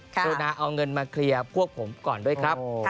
กรุณาเอาเงินมาเคลียร์พวกผมก่อนด้วยครับ